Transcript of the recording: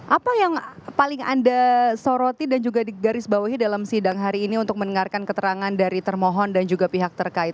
apa yang paling anda soroti dan juga digarisbawahi dalam sidang hari ini untuk mendengarkan keterangan dari termohon dan juga pihak terkait